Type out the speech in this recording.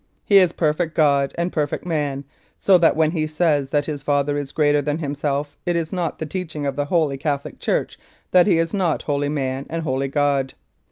He is perfect God and perfect Man, so that when He says that His Father is greater than Himself it is not the teaching of the Holy Catholic Church that He is not wholly Man and wholly God.